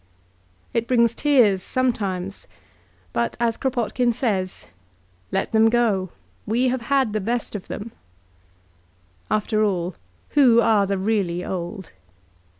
It brings tears some times, but as Kropotkin says, "Let them go ; we have had the best of them/' After all, who are the really old?